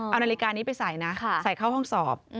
เอานาฬิกานี้ไปใส่นะใส่เข้าห้องสอบ